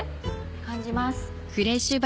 感じます。